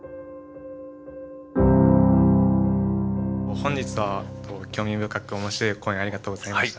本日は興味深く面白い講演ありがとうございました。